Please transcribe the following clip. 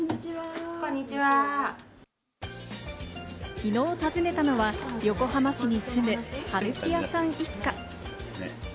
きのう訪ねたのは横浜市に住む、春木屋さん一家。